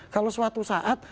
kalau suatu saat